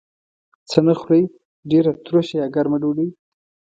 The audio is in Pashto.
څه نه خورئ؟ ډیره تروشه یا ګرمه ډوډۍ